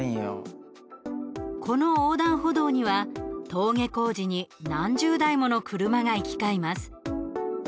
この横断歩道には、登下校時に何十台もの車が行き交います。